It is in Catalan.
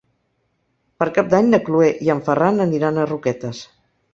Per Cap d'Any na Cloè i en Ferran aniran a Roquetes.